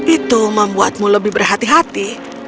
itu membuatmu lebih berhati hati